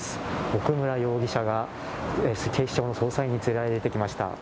奥村容疑者が警視庁の調査員に連れられて出てきました。